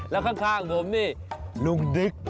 แล้วข้างผมนี่ลุงดิ๊ก